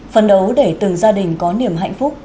phấn đấu để từng gia đình có niềm hạnh phúc